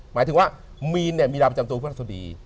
หมายถึงว่ามีนมีดาวประจำตัวพระราชดี